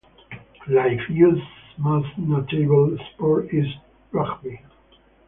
Life U's most notable sport is rugby.